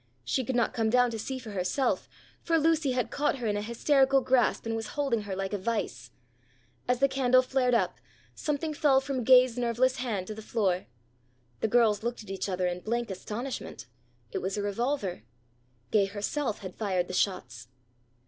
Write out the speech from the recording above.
She could not come down to see for herself, for Lucy had caught her in a hysterical grasp and was holding her like a vise. As the candle flared up something fell from Gay's nerveless hand to the floor. The girls looked at each other in blank astonishment. It was a revolver. Gay herself had fired the shots.